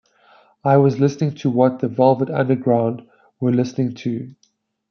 I was listening to what The Velvet Underground were listening to.